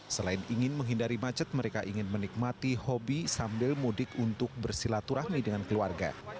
selain ingin menghindari macet mereka ingin menikmati hobi sambil mudik untuk bersilaturahmi dengan keluarga